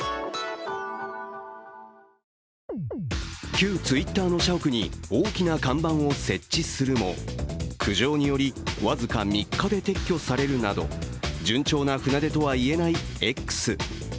旧Ｔｗｉｔｔｅｒの社屋に大きな看板を設置するも、苦情により僅か３日で撤去されるなど順調な船出とはいえないＸ。